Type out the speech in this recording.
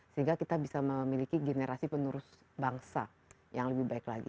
sehingga kita bisa memiliki generasi penerus bangsa yang lebih baik lagi